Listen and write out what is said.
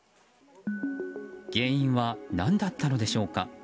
原因は何だったのでしょうか。